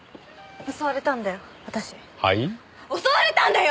襲われたんだよ！